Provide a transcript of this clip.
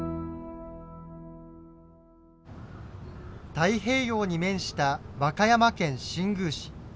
太平洋に面した和歌山県新宮市。